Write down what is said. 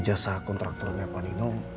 jasa kontraktur ini